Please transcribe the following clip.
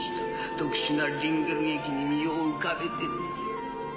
特殊なリンゲル液に身を浮かべてね。